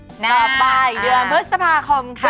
ต่อไปเดือนพฤษภาคมค่ะ